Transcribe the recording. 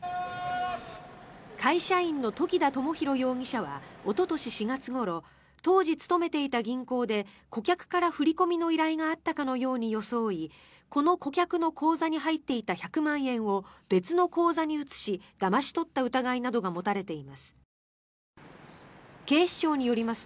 会社員の時田知寛容疑者はおととし４月ごろ当時勤めていた銀行で顧客から振り込みの依頼があったかのように装いこの顧客の口座に入っていた１００万円を別の口座に移しだまし取った疑いなどが持たれています。